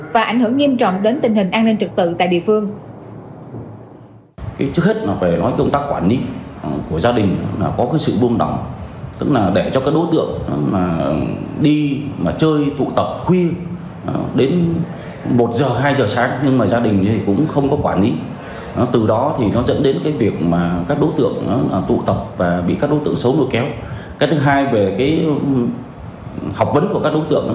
và ảnh hưởng nghiêm trọng đến tình hình an ninh trực tự tại địa phương